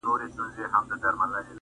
تندے به څنګه تريو کړمه اخر يې په راتګ